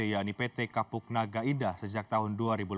yaitu pt kapuk naga indah sejak tahun dua ribu lima belas